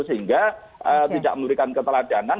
sehingga tidak memberikan keteladanan